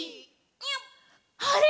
「あれ？